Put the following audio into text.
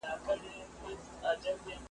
په دنیا کي مو وه هر څه اورېدلي .